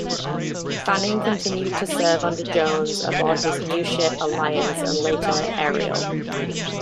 Fanning continued to serve under Jones aboard his new ship "Alliance" and later "Ariel.